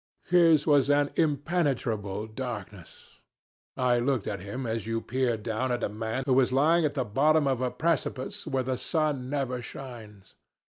"His was an impenetrable darkness. I looked at him as you peer down at a man who is lying at the bottom of a precipice where the sun never shines.